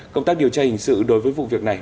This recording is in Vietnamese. công tác điều tra hình sự đối với vụ việc này